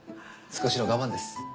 少しの我慢です。